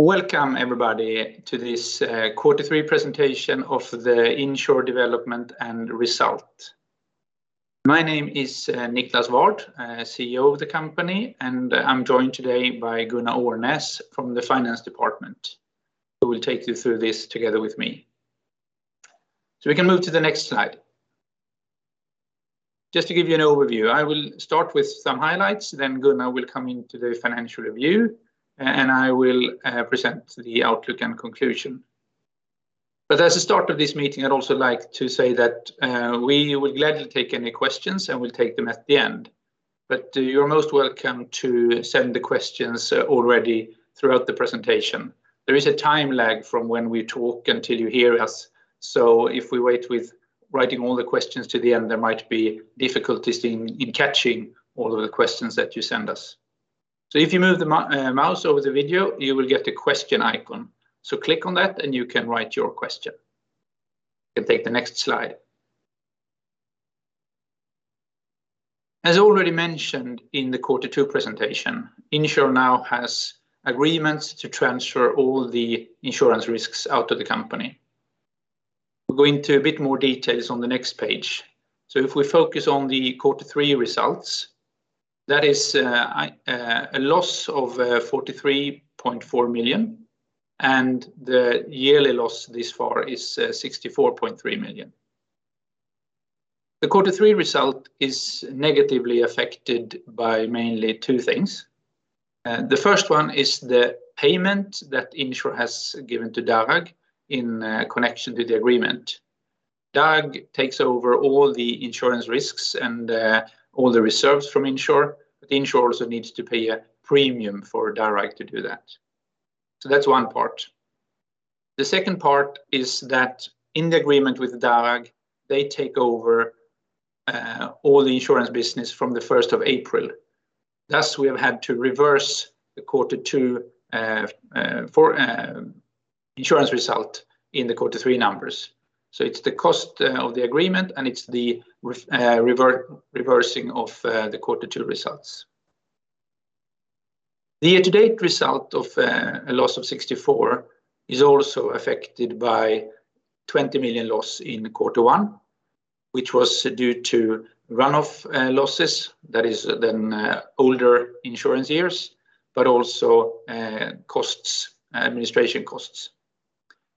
Welcome everybody to this quarter three presentation of the Insr development and result. My name is Niclas Ward, CEO of the company, and I'm joined today by Gunnar Ørnes from the finance department, who will take you through this together with me. We can move to the next slide. Just to give you an overview, I will start with some highlights, then Gunnar will come in to do a financial review, and I will present the outlook and conclusion. As the start of this meeting, I'd also like to say that we would gladly take any questions, and we'll take them at the end. You're most welcome to send the questions already throughout the presentation. There is a time lag from when we talk until you hear us, so if we wait with writing all the questions to the end, there might be difficulties in catching all of the questions that you send us. If you move the mouse over the video, you will get a question icon. Click on that, and you can write your question. You can take the next slide. As already mentioned in the quarter two presentation, Insr now has agreements to transfer all the insurance risks out of the company. We'll go into a bit more details on the next page. If we focus on the quarter three results, that is, a loss of 43.4 million, and the yearly loss this far is 64.3 million. The quarter three result is negatively affected by mainly two things. The first one is the payment that Insr has given to DARAG in connection to the agreement. DARAG takes over all the insurance risks and all the reserves from Insr, but Insr also needs to pay a premium for DARAG to do that. That's one part. The second part is that in the agreement with DARAG, they take over all the insurance business from the first of April. Thus, we have had to reverse the quarter two insurance result in the quarter three numbers. It's the cost of the agreement, and it's the reversing of the quarter two results. The year-to-date result of a loss of 64 million is also affected by 20 million loss in quarter one, which was due to runoff losses, that is then older insurance years, but also costs, administration costs.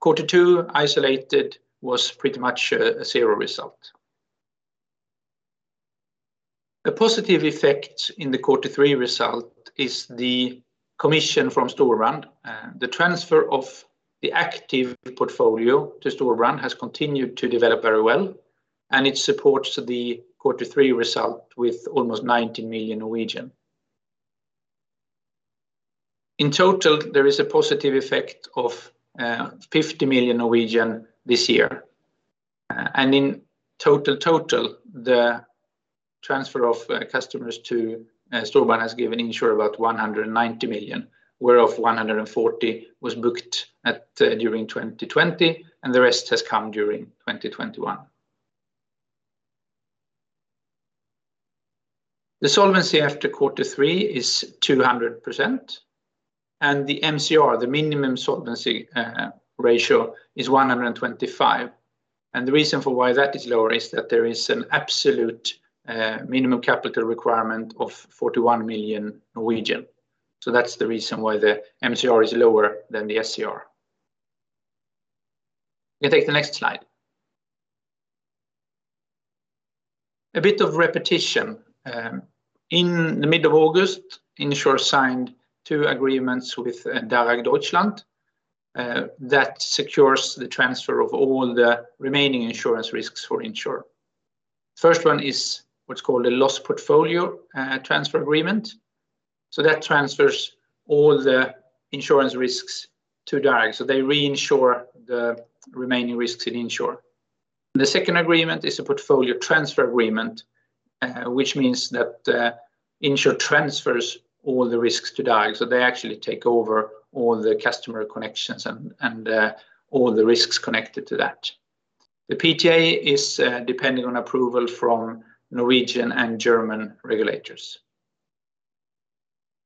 Quarter two isolated was pretty much a zero result. A positive effect in the quarter three result is the commission from Storebrand. The transfer of the active portfolio to Storebrand has continued to develop very well, and it supports the quarter three result with almost 90 million. In total, there is a positive effect of 50 million this year. In total, the transfer of customers to Storebrand has given Insr about 190 million, whereof 140 million was booked during 2020, and the rest has come during 2021. The solvency after quarter three is 200%, and the MCR, the minimum solvency ratio, is 125%. The reason for why that is lower is that there is an absolute minimum capital requirement of 41 million NOK. That's the reason why the MCR is lower than the SCR. You can take the next slide. A bit of repetition. In mid-August, Insr signed two agreements with DARAG Deutschland that secures the transfer of all the remaining insurance risks for Insr. First one is what's called a loss portfolio transfer agreement. That transfers all the insurance risks to DARAG. They reinsure the remaining risks in Insr. The second agreement is a portfolio transfer agreement, which means that Insr transfers all the risks to DARAG. They actually take over all the customer connections and all the risks connected to that. The PTA is dependent on approval from Norwegian and German regulators.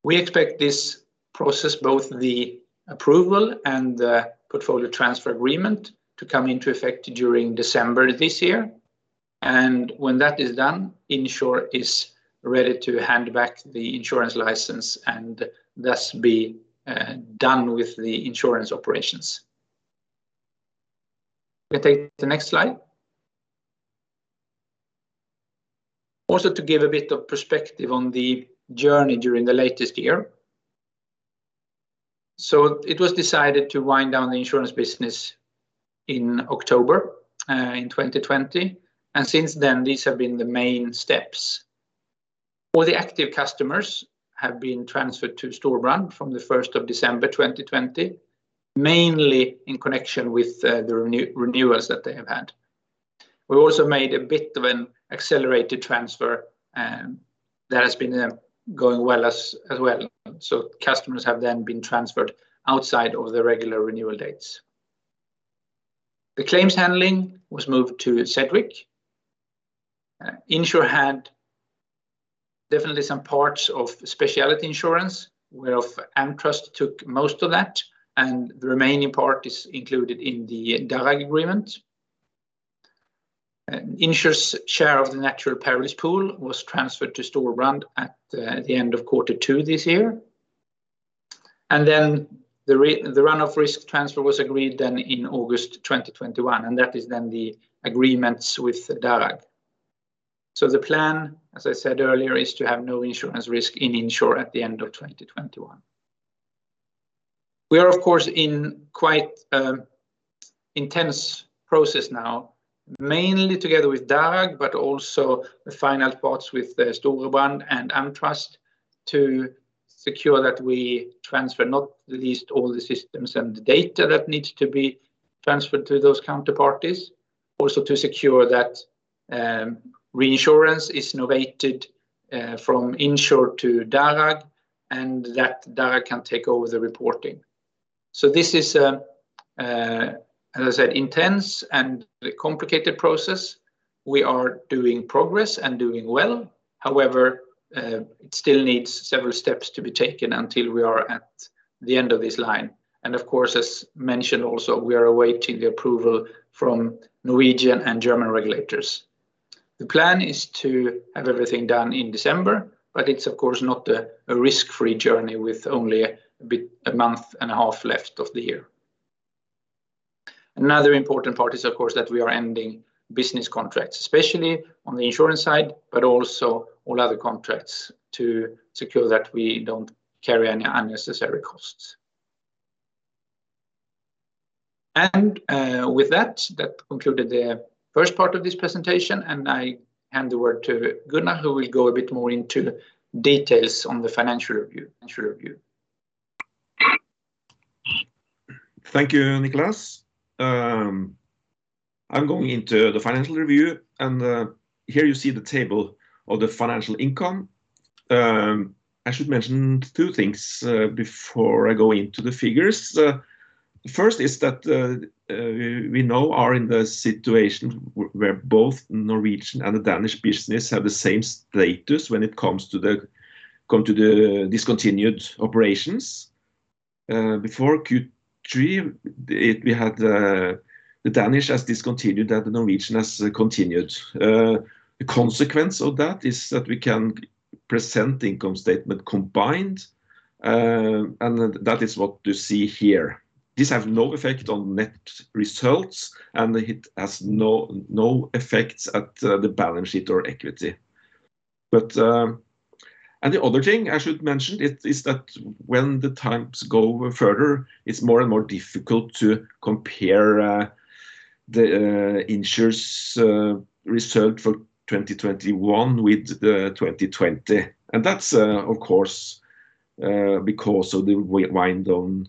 We expect this process, both the approval and the portfolio transfer agreement, to come into effect during December this year. When that is done, Insr is ready to hand back the insurance license and thus be done with the insurance operations. You can take the next slide. Also to give a bit of perspective on the journey during the latest year. It was decided to wind down the insurance business in October in 2020, and since then these have been the main steps. All the active customers have been transferred to Storebrand from the first of December 2020, mainly in connection with the renewals that they have had. We also made a bit of an accelerated transfer, that has been going well as well. Customers have then been transferred outside of the regular renewal dates. The claims handling was moved to Sedgwick. Insr had definitely some parts of specialty insurance, whereof AmTrust took most of that, and the remaining part is included in the DARAG agreement. Insr's share of the natural perils pool was transferred to Storebrand at the end of quarter two this year. The run-off risk transfer was agreed then in August 2021, and that is then the agreements with DARAG. The plan, as I said earlier, is to have no insurance risk in Insr at the end of 2021. We are of course in quite intense process now, mainly together with DARAG, but also the final parts with Storebrand and AmTrust to secure that we transfer not least all the systems and the data that needs to be transferred to those counterparties. Also to secure that reinsurance is novated from Insr to DARAG, and that DARAG can take over the reporting. This is, as I said, intense and a complicated process. We are making progress and doing well. However, it still needs several steps to be taken until we are at the end of this line. Of course, as mentioned also, we are awaiting the approval from Norwegian and German regulators. The plan is to have everything done in December, but it's of course not a risk-free journey with only a month and a half left of the year. Another important part is, of course, that we are ending business contracts, especially on the insurance side, but also all other contracts to secure that we don't carry any unnecessary costs. With that concluded the first part of this presentation, and I hand the word to Gunnar, who will go a bit more into the details on the financial review. Thank you, Niclas. I'm going into the financial review, and here you see the table of the financial income. I should mention two things before I go into the figures. The first is that we now are in the situation where both Norwegian and the Danish business have the same status when it comes to the discontinued operations. Before Q3, we had the Danish has discontinued, and the Norwegian has continued. The consequence of that is that we can present the income statement combined, and that is what you see here. This has no effect on net results, and it has no effects at the balance sheet or equity. The other thing I should mention is that when the times go further, it's more and more difficult to compare the Insr's result for 2021 with 2020. That's of course because of the wind down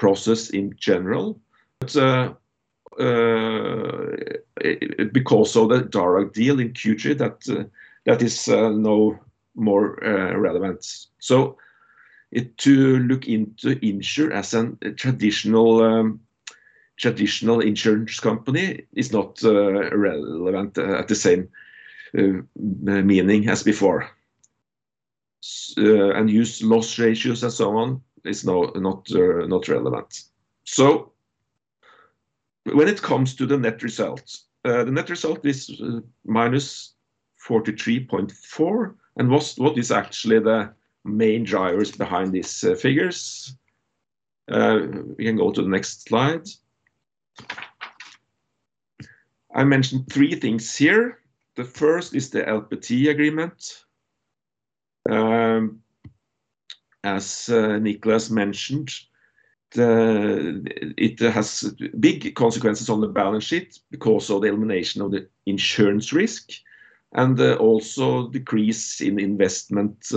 process in general. Because of the DARAG deal in Q3, that is no more relevant. To look into Insr as a traditional insurance company is not relevant at the same meaning as before. And use loss ratios and so on is not relevant. When it comes to the net results, the net result is -43.4, and what is actually the main drivers behind these figures? We can go to the next slide. I mentioned three things here. The first is the LPT agreement. As Niclas mentioned, it has big consequences on the balance sheet because of the elimination of the insurance risk and also decrease in investment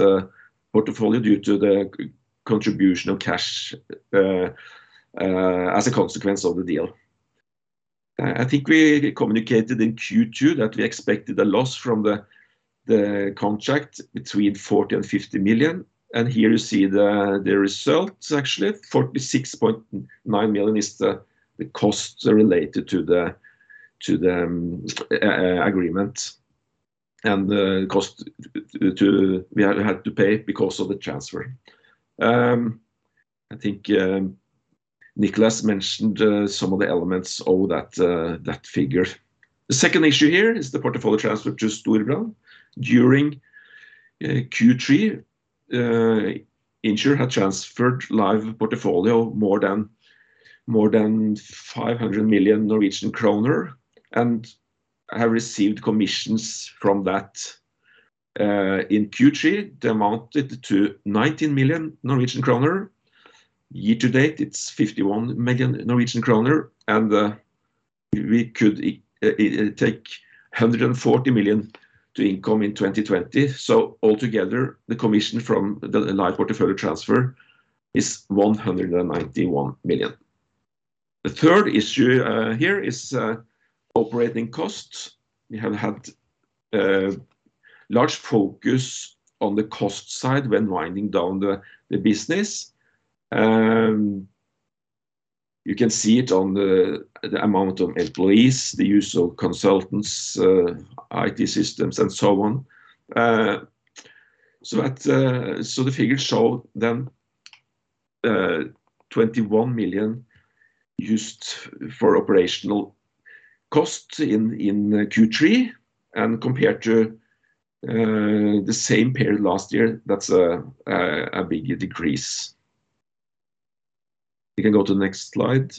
portfolio due to the contribution of cash as a consequence of the deal. I think we communicated in Q2 that we expected a loss from the contract between 40 million and 50 million, and here you see the results actually, 46.9 million is the costs related to the agreement and the cost we had to pay because of the transfer. I think Niclas mentioned some of the elements of that figure. The second issue here is the portfolio transfer to Storebrand. During Q3, Insr had transferred live portfolio more than 500 million Norwegian kroner and have received commissions from that. In Q3, they amounted to 19 million Norwegian kroner. Year to date, it's 51 million Norwegian kroner, and we could take 140 million to income in 2020. Altogether, the commission from the live portfolio transfer is 191 million. The third issue here is operating costs. We have had large focus on the cost side when winding down the business. You can see it on the amount of employees, the use of consultants, IT systems, and so on. The figures show then NOK 21 million used for operational costs in Q3, and compared to the same period last year, that's a big decrease. You can go to the next slide.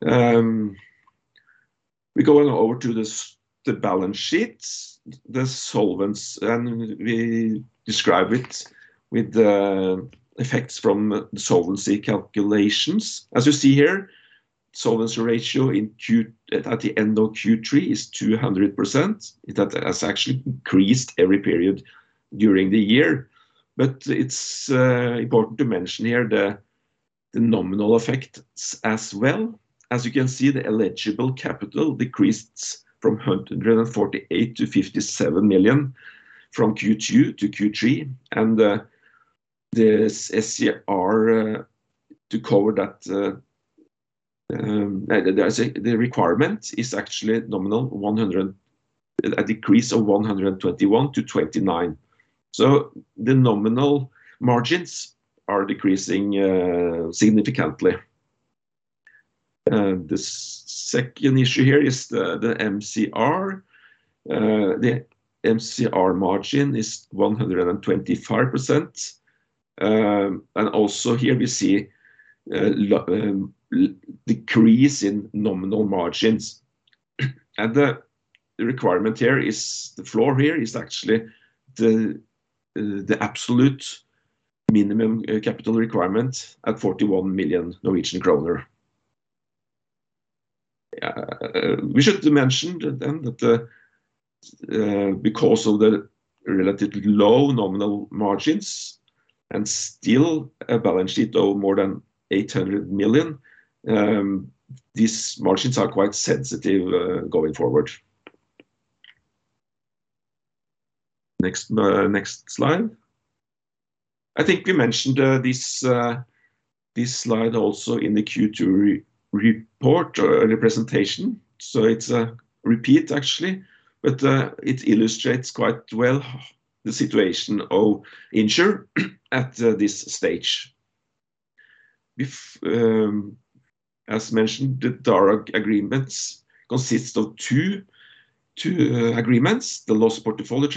We're going over to the balance sheet, the solvency, and we describe it with the effects from the solvency calculations. As you see here, solvency ratio at the end of Q3 is 200%. It has actually increased every period during the year. It's important to mention here the nominal effects as well. As you can see, the eligible capital decreased from 148 million to 57 million from Q2 to Q3. The SCR to cover that, the requirement is actually nominal 100, a decrease of 121-29. The nominal margins are decreasing significantly. The second issue here is the MCR. The MCR margin is 125%. And also here we see a decrease in nominal margins. The requirement here is, the floor here is actually the absolute minimum capital requirement at 41 million Norwegian kroner. We should mention then that, because of the relatively low nominal margins and still a balance sheet of more than 800 million, these margins are quite sensitive going forward. Next slide. I think we mentioned this slide also in the Q2 report or presentation. It's a repeat actually, but it illustrates quite well the situation of Insr at this stage. As mentioned, the DARAG agreements consist of two agreements, the loss portfolio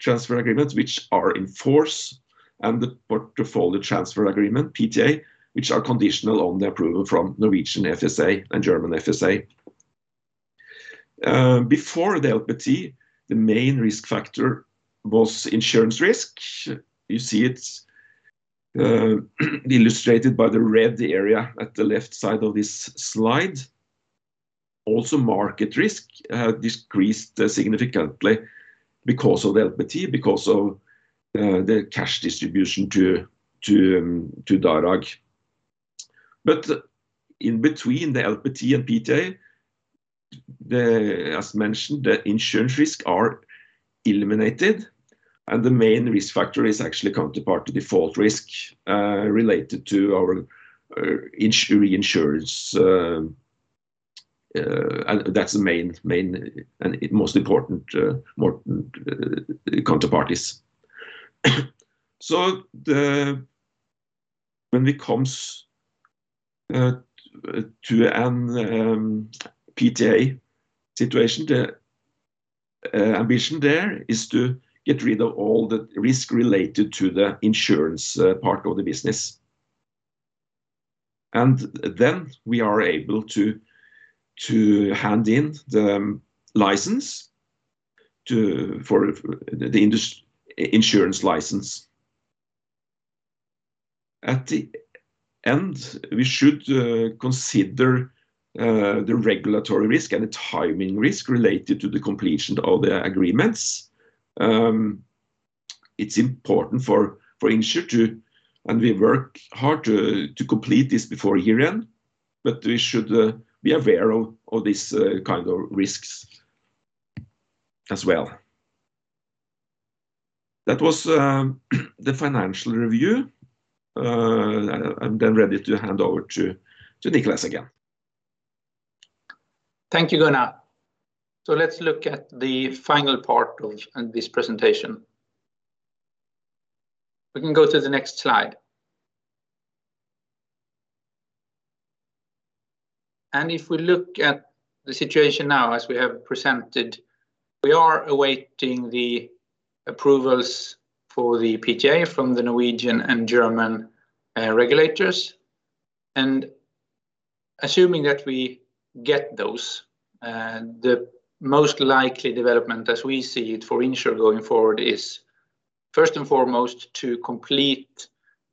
transfer agreements, which are in force, and the portfolio transfer agreement, PTA, which are conditional on the approval from Norwegian FSA and German FSA. Before the LPT, the main risk factor was insurance risk. You see it's illustrated by the red area at the left side of this slide. Also, market risk decreased significantly because of the LPT, because of the cash distribution to DARAG. In between the LPT and PTA, as mentioned, the insurance risk are eliminated, and the main risk factor is actually counterparty default risk related to our reinsurance, that's the main and most important counterparties. When it comes to a PTA situation, the ambition there is to get rid of all the risk related to the insurance part of the business. Then we are able to hand in the license for the insurance license. At the end, we should consider the regulatory risk and the timing risk related to the completion of the agreements. It's important for Insr, and we work hard to complete this before year-end, but we should be aware of this kind of risks as well. That was the financial review. I'm then ready to hand over to Niclas again. Thank you, Gunnar. Let's look at the final part of this presentation. We can go to the next slide. If we look at the situation now as we have presented, we are awaiting the approvals for the PTA from the Norwegian and German regulators. Assuming that we get those, the most likely development as we see it for Insr going forward is first and foremost to complete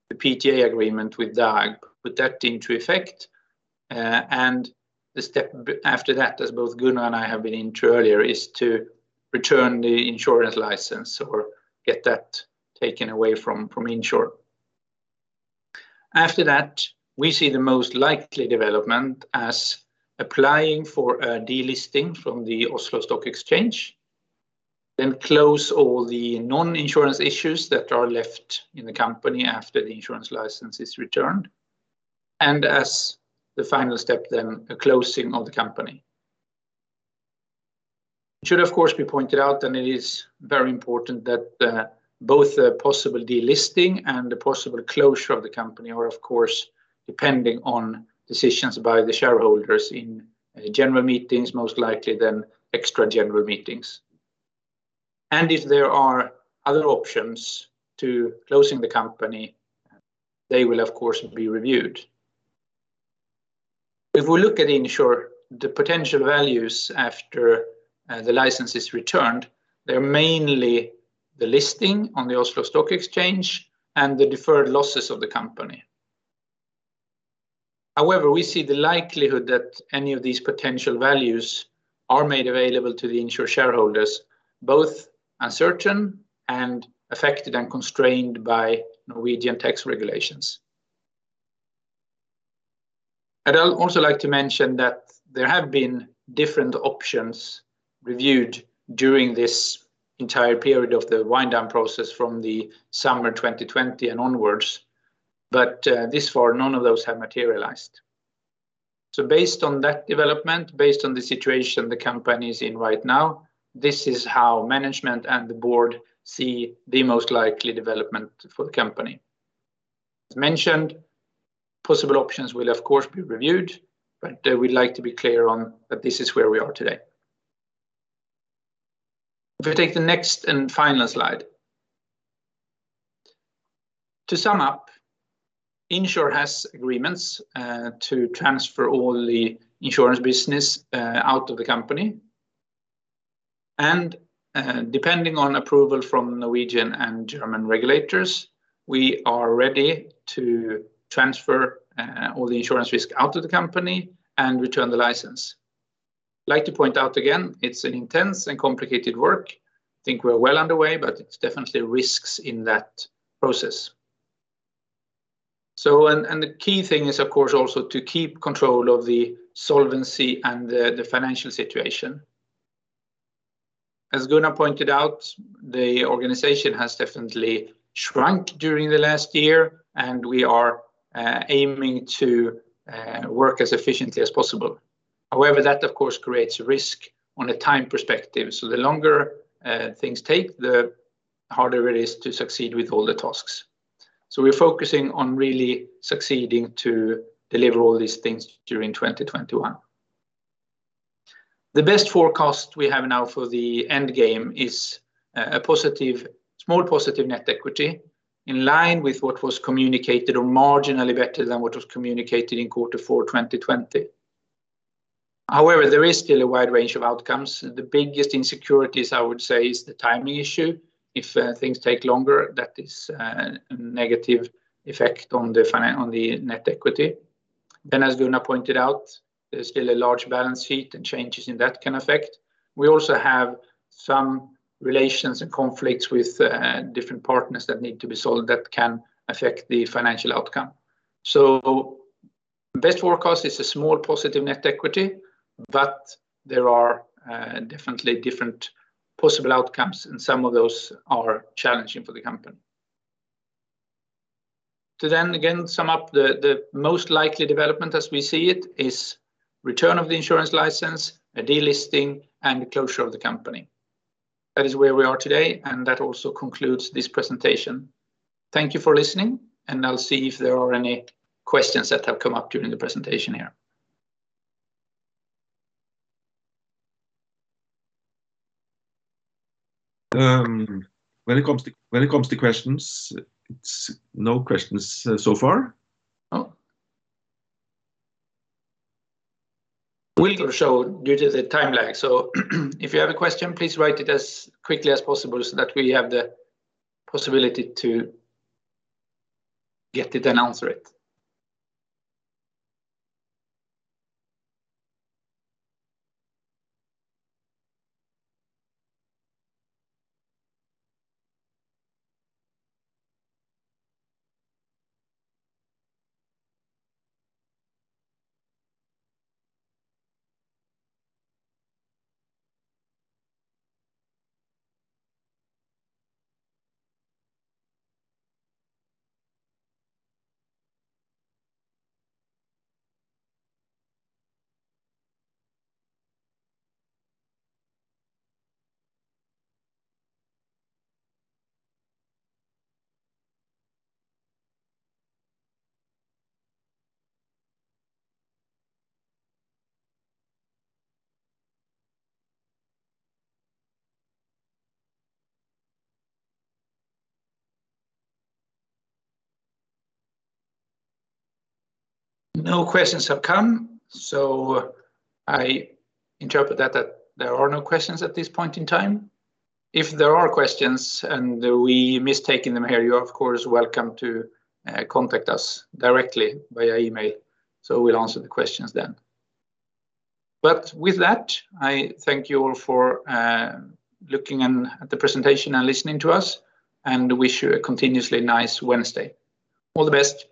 the PTA agreement with DARAG, put that into effect. The step after that, as both Gunnar and I have been into earlier, is to return the insurance license or get that taken away from Insr. After that, we see the most likely development as applying for a delisting from the Oslo Stock Exchange, then close all the non-insurance issues that are left in the company after the insurance license is returned, and as the final step then a closing of the company. It should, of course, be pointed out, and it is very important that both a possible delisting and a possible closure of the company are, of course, depending on decisions by the shareholders in general meetings, most likely then extra general meetings. If there are other options to closing the company, they will of course be reviewed. If we look at Insr, the potential values after the license is returned, they're mainly the listing on the Oslo Stock Exchange and the deferred tax losses of the company. However, we see the likelihood that any of these potential values are made available to the Insr shareholders, both uncertain and affected and constrained by Norwegian tax regulations. I'll also like to mention that there have been different options reviewed during this entire period of the wind down process from the summer 2020 and onwards. This far, none of those have materialized. Based on that development, based on the situation the company is in right now, this is how management and the board see the most likely development for the company. As mentioned, possible options will of course be reviewed, but we'd like to be clear on that this is where we are today. If we take the next and final slide. To sum up, Insr has agreements to transfer all the insurance business out of the company. Depending on approval from Norwegian and German regulators, we are ready to transfer all the insurance risk out of the company and return the license. I'd like to point out again, it's an intense and complicated work. I think we're well underway, but it's definitely risks in that process. The key thing is, of course, also to keep control of the solvency and the financial situation. As Gunnar Aarnes pointed out, the organization has definitely shrunk during the last year, and we are aiming to work as efficiently as possible. However, that of course creates risk on a time perspective. The longer things take, the harder it is to succeed with all the tasks. We're focusing on really succeeding to deliver all these things during 2021. The best forecast we have now for the end game is a small positive net equity in line with what was communicated or marginally better than what was communicated in Q4 2020. However, there is still a wide range of outcomes. The biggest insecurities I would say is the timing issue. If things take longer, that is a negative effect on the net equity. As Gunnar pointed out, there's still a large balance sheet and changes in that can affect. We also have some relations and conflicts with different partners that need to be solved that can affect the financial outcome. Best forecast is a small positive net equity, but there are definitely different possible outcomes, and some of those are challenging for the company. To then again sum up the most likely development as we see it is return of the insurance license, a delisting, and the closure of the company. That is where we are today, and that also concludes this presentation. Thank you for listening, and I'll see if there are any questions that have come up during the presentation here. When it comes to questions, it's no questions so far. Oh. We'll close due to the time lag. If you have a question, please write it as quickly as possible so that we have the possibility to get it and answer it. No questions have come, so I interpret that there are no questions at this point in time. If there are questions and we miss taking them here, you are of course welcome to contact us directly via email, so we'll answer the questions then. With that, I thank you all for looking at the presentation and listening to us, and wish you a continuously nice Wednesday. All the best.